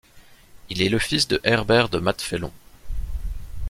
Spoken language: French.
Il est le fils de Herbert de Mathefelon.